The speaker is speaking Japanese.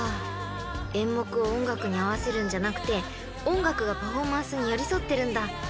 演目を音楽に合わせるんじゃなくて音楽がパフォーマンスに寄り添ってるんだ］